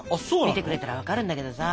見てくれたら分かるんだけどさ。